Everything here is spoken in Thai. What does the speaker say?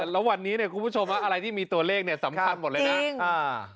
แล้ววันนี้เนี่ยคุณผู้ชมอะไรที่มีตัวเลขเนี่ยสำคัญหมดเลยนะ